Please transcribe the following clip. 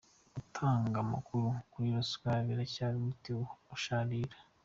Gutanga amakuru kuri ruswa biracyari umuti usharira